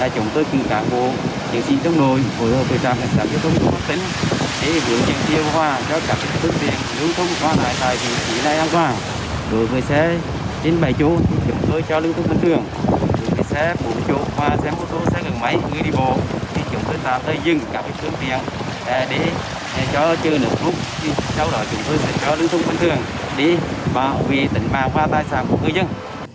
chúng tôi sẽ giao lưu thông bản thường để bảo vệ tình bào và tài sản của người dân